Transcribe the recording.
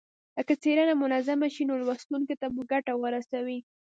که څېړنه منظمه شي نو لوستونکو ته به ګټه ورسوي.